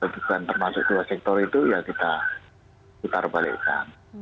dan termasuk dua sektor itu ya kita putar balikkan